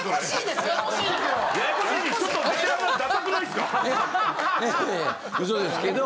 いやいや嘘ですけど。